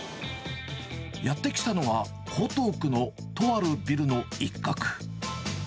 やって来たのは、江東区のとあるビルの一角。